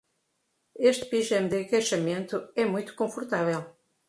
Este pijama de agachamento é muito confortável.